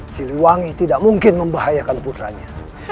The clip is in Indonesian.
siliwangi tidak mungkin membahayakan putranya